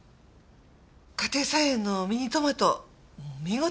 家庭菜園のミニトマト見事でした。